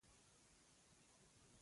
مقوله ده: د ښې غوښې ښه شوروا وي.